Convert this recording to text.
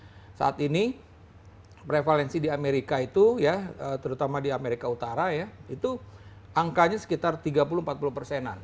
karena saat ini prevalensi di amerika itu ya terutama di amerika utara ya itu angkanya sekitar tiga puluh empat puluh persenan